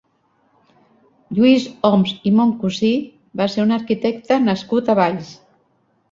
Lluís Homs i Moncusí va ser un arquitecte nascut a Valls.